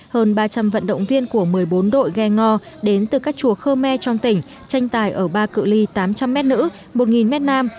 hơn ba trăm linh vận động viên của một mươi bốn đội ghe ngò đến từ các chùa khơ me trong tỉnh tranh tài ở ba cự li tám trăm linh m nữ một m nam